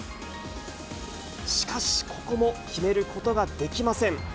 しかし、ここも決めることができません。